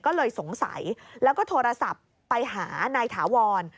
ก็เลยสงสัยแล้วก็โทรศัพท์ไปหานายถาวร